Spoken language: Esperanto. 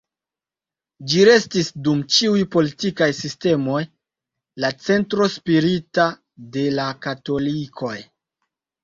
Ĝi restis, dum ĉiuj politikaj sistemoj, la centro spirita de la katolikoj.